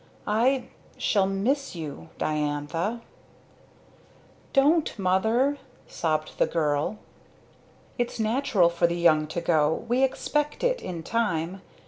I shall miss you Diantha!" "Don't, Mother!" sobbed the girl. "Its natural for the young to go. We expect it in time.